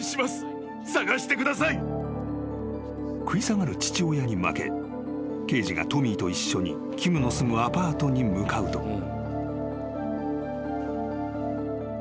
［食い下がる父親に負け刑事がトミーと一緒にキムの住むアパートに向かうと］